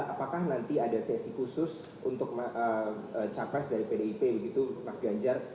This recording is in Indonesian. apakah nanti ada sesi khusus untuk capres dari pdip begitu mas ganjar